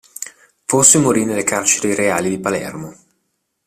Forse morì nelle carceri reali di Palermo.